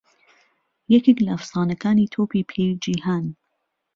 یهکێک له ئهفسانهکانى تۆپی پێی جیهان